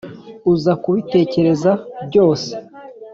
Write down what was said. uza kubitekereza byose